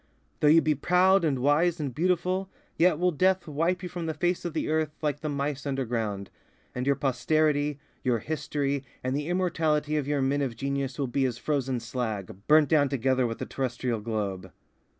Though you be proud and wise and beautiful, yet will death wipe you from the face of the earth like the mice underground; and your posterity, your history, and the immortality of your men of genius will be as frozen slag, burnt down together with the terrestrial globe.